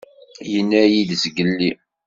Yenna-yid zgelli.